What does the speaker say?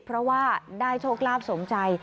เพราะว่าได้โชคลาภสมใจ